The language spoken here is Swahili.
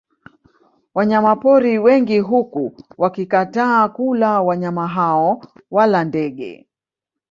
Wanyama pori wengi huku wakikataa kula wanyama hao wala ndege